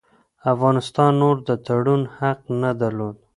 افغانستان نور د تړون حق نه درلود.